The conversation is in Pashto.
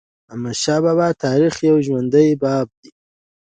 احمدشاه بابا د تاریخ یو ژوندی باب دی.